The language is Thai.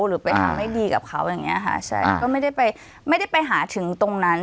หรือไปทำไม่ดีกับเขาอย่างเงี้ยค่ะใช่ก็ไม่ได้ไปไม่ได้ไปหาถึงตรงนั้น